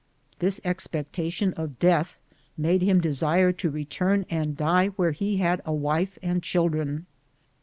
This ex pectation of death made him desire to return and die where he had a wife and children.